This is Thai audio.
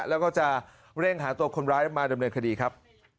แล้วก็จะเร่งหาตัวคนร้ายมาดำเนินคดีครับ